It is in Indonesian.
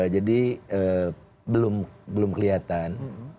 jadi belum kelihatan